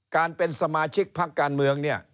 การเป็นสมาชิกพักการเมือง